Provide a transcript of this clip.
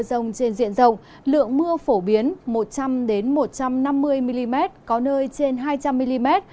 rông trên diện rộng lượng mưa phổ biến một trăm linh một trăm năm mươi mm có nơi trên hai trăm linh mm